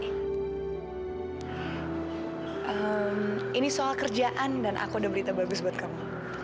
hmm ini soal kerjaan dan aku udah berita bagus buat kamu